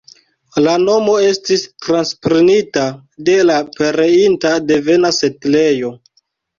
La nomo estis transprenita de la pereinta devena setlejo.